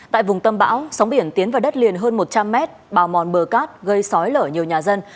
tại vùng tâm bão sóng biển tiến vào đất liền hơn một trăm linh mét bào mòn bờ cát gây sói lở nhiều nhà dân